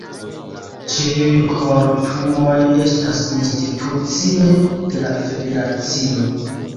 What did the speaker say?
Ĉiuj kortumoj estas institucioj de la federacio.